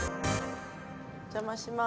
お邪魔します。